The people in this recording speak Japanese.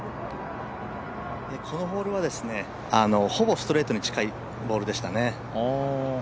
このホールはほぼストレートに近いボールでしたね。